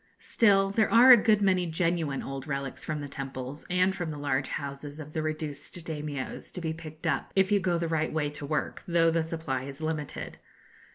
Still, there are a good many genuine old relics from the temples, and from the large houses of the reduced Daimios, to be picked up, if you go the right way to work, though the supply is limited.